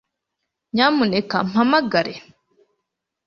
Nyamuneka mpamagare